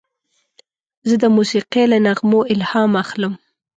زه د موسیقۍ له نغمو الهام اخلم.